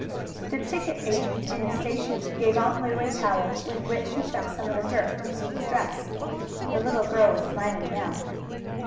The ticket agent in the station gave Aunt Lu a towel, with which she took some of the dirt from Sue's dress. The little girl was smiling now.